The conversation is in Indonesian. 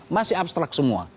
masih abstrak semua